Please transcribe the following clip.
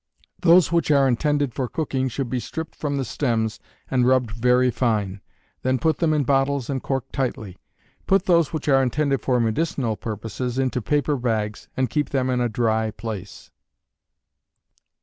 Those which are intended for cooking should be stripped from the stems and rubbed very fine. Then put them in bottles and cork tightly. Put those which are intended for medicinal purposes into paper bags, and keep them in a dry place.